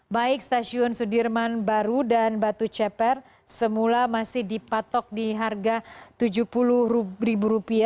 baik stasiun sudirman baru dan batu ceper semula masih dipatok di harga rp tujuh puluh